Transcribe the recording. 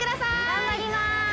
頑張ります！